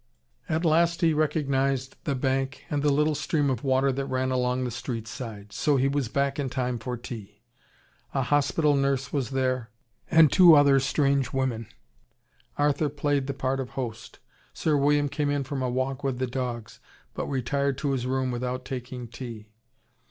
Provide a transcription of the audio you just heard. At last he recognised the bank and the little stream of water that ran along the street side. So he was back in time for tea. A hospital nurse was there, and two other strange women. Arthur played the part of host. Sir William came in from a walk with the dogs, but retired to his room without taking tea.